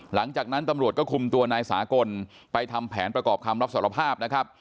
หลังจากนั้นตำรวจก็คุมตัวนายสากลไปทำแผนประกอบคำรับสารภาพนะครับ